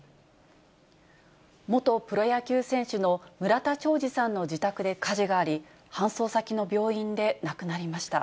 元プロ野球選手の村田兆治さんの自宅で火事があり、搬送先の病院で亡くなりました。